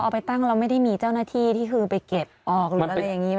เอาไปตั้งแล้วไม่ได้มีเจ้าหน้าที่ที่คือไปเก็บออกหรืออะไรอย่างนี้